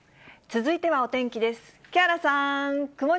続いてはお天気です。